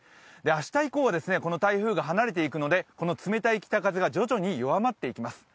明日以降はこの台風が離れていくので、この冷たい北風が徐々に弱まっていきます。